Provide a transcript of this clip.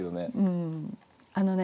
あのね